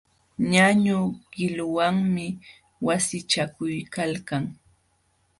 Ñañu qiluwanmi wasichakuykalkan.